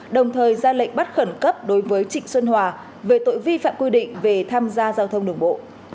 đồng thời ra lệnh bắt khẩn cấp đối với trịnh xuân hòa về tội vi phạm quy định về tham gia giao thông đường bộ